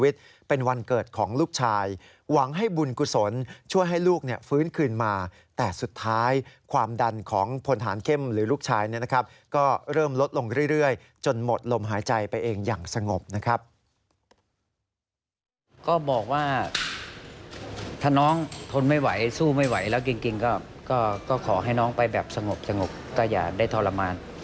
ก็บอกว่าถ้าน้องทนไม่ไหวสู้ไม่ไหวแล้วจริงก็ขอให้น้องไปแบบสงบแต่อย่าได้ทรมาน